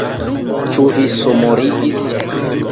Ĉu vi somorigis?